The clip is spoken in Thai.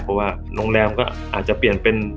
เพราะว่าโรงแรมก็อาจจะเปลี่ยนเป็น